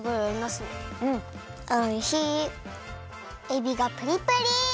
えびがプリプリ！